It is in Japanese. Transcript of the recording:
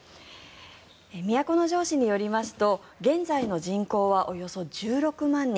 都城市によりますと現在の人口はおよそ１６万人。